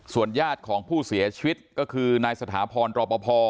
ส่วนญาติของผู้เสียชีวิตก็คือในสถาพรรณปภ